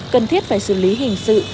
cần thiết phải xử lý hình sự